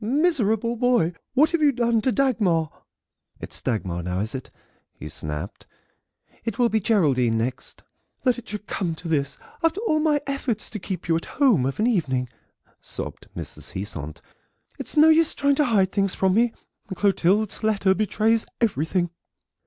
"Miserable boy, what have you done to Dagmar?" "It's Dagmar now, is it?" he snapped; "it will be Geraldine next." "That it should come to this, after all my efforts to keep you at home of an evening," sobbed Mrs. Heasant; "it's no use you trying to hide things from me; Clotilde's letter betrays everything."